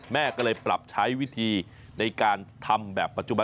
แม่ก็เลยปรับใช้วิธีในการทำแบบปัจจุบัน